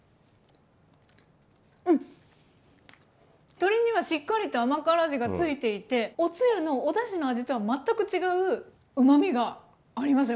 鶏にはしっかりと甘辛味が付いていておつゆのおだしの味とは全く違ううまみがありますね。